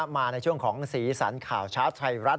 มาในช่วงของสีสันข่าวเช้าไทยรัฐ